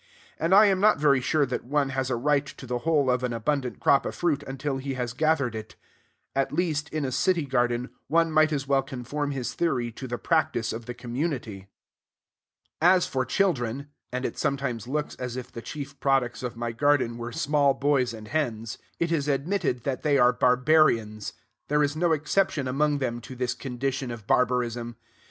And I am not very sure that one has a right to the whole of an abundant crop of fruit until he has gathered it. At least, in a city garden, one might as well conform his theory to the practice of the community. As for children (and it sometimes looks as if the chief products of my garden were small boys and hens), it is admitted that they are barbarians. There is no exception among them to this condition of barbarism.